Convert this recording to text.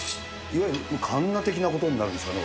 いわゆるかんな的なことになるんですかね？